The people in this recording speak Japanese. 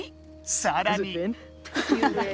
さらに。